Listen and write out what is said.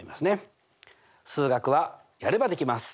数学はやればできます！